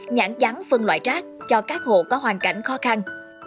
nhãn dắn phân loại trác cho các hộ có hoàn cảnh khó khăn